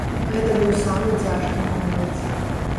Гэта быў самы цяжкі момант.